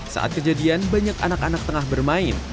saat kejadian banyak anak anak tengah bermain